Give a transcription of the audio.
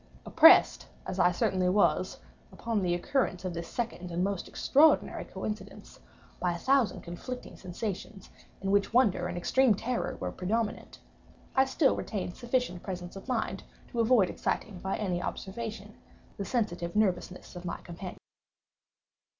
Oppressed, as I certainly was, upon the occurrence of this second and most extraordinary coincidence, by a thousand conflicting sensations, in which wonder and extreme terror were predominant, I still retained sufficient presence of mind to avoid exciting, by any observation, the sensitive nervousness of my companion.